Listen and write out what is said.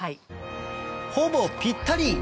ほぼぴったり！